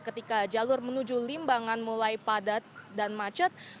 ketika jalur menuju limbangan mulai padat dan macet